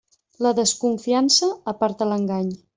La desconfiança aparta l'engany.